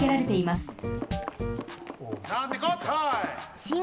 なんてこったい！